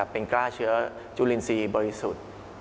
เป็นกล้าเชื้อจุลินทรีย์บริสุทธิ์